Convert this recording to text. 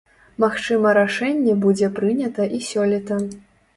Магчыма рашэнне будзе прынята і сёлета.